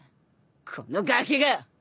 このガキが！